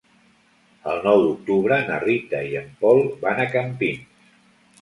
El nou d'octubre na Rita i en Pol van a Campins.